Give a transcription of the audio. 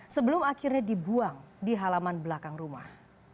sebelum akhirnya dibuang di halaman belakang rumah